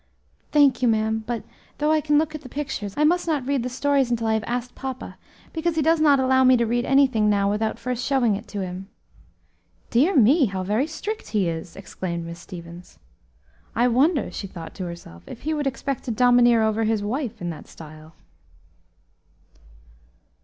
"Thank you, ma'am; but, though I can look at the pictures, I must not read the stories until I have asked papa, because he does not allow me to read anything now without first showing it to him." "Dear me! how very strict he is!" exclaimed Miss Stevens. "I wonder," she thought to herself, "if he would expect to domineer over his wife in that style?"